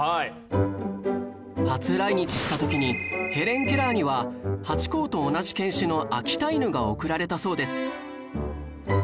初来日した時にヘレン・ケラーにはハチ公と同じ犬種の秋田犬が贈られたそうです